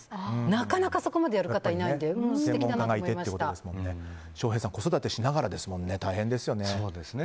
なかなかそこまでやる方はいないので翔平さん子育てしながらですもんね大変ですよね。